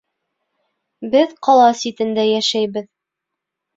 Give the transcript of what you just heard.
Беҙ ҡала ситендә йәшәйбеҙ